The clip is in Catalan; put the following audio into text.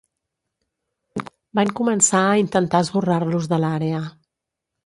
Van començar a intentar esborrar-los de l'àrea.